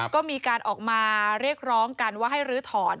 ก็มีการออกมาเรียกร้องกันว่าให้ลื้อถอน